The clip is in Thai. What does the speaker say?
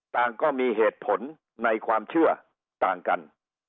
ก็มีเหตุผลในความเชื่อต่างกัน